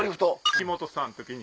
木本さんの時に。